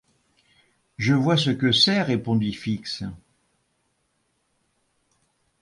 Je vois ce que c’est, répondit Fix.